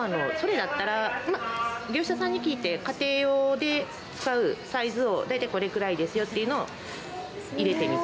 業者さんに聞いて、家庭用で使うサイズを大体これくらいですよというのを入れてみて。